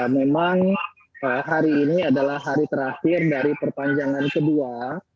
memang hari ini adalah hari terakhir dari perpanjangan kedua